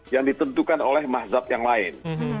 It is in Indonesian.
yang ditentukan oleh mazhab yang lain